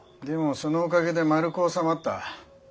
でもそのおかげでまるく収まった。